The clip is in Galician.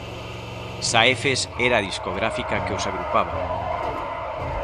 Saefes era a discográfica que os agrupaba.